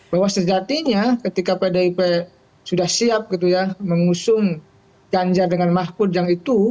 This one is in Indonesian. bahwa sejatinya ketika pdip sudah siap mengusung janja dengan mahmud ujang itu